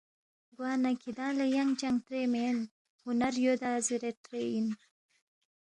گوانہ کِھدانگ لہ ینگ چنگ ترے مین، ہُنر یودا زیرے ترے اِن